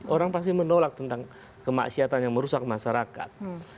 orang pasti menolak tentang kemaksiatan yang merusak masyarakat